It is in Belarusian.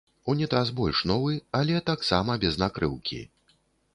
Унітаз больш новы, але таксама без накрыўкі.